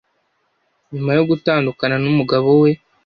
Nyuma yo gutandukana n’umugabo we